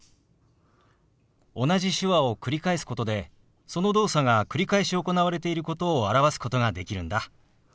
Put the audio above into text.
同じ手話を繰り返すことでその動作が繰り返し行われていることを表すことができるんだ。